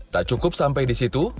tak cukup sampai di situ